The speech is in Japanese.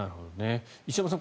石山さん